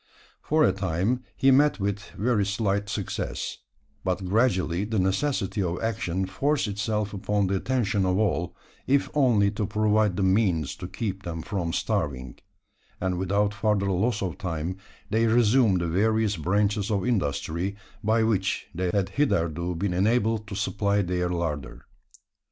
For a time, he met with very slight success; but gradually the necessity of action forced itself upon the attention of all if only to provide the means to keep them from starving; and without further loss of time, they resumed the various branches of industry, by which they had hitherto been enabled to supply their larder.